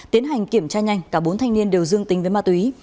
tiến hành kiểm tra nhanh cả bốn thanh niên đều dương tính với ma túy